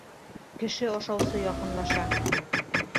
Кеше ашаусы яҡынлаша!